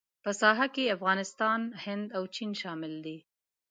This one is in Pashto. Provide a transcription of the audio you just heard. په ساحه کې افغانستان، هند او چین شامل دي.